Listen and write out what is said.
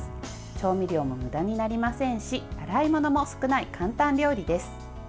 調味料も、むだになりませんし洗い物も少ない簡単料理です。